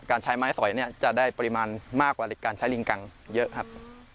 ใช้ไม้สอยเนี่ยจะได้ปริมาณมากกว่าการใช้ลิงกังเยอะครับ